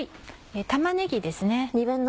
玉ねぎです。